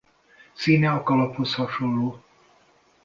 Színe a kalaphoz hasonló.